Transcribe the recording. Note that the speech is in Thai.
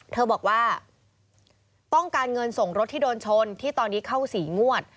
เธอบอกว่าต้องการเงินส่งรถที่โดนชนที่ตอนนี้เข้า๔งวด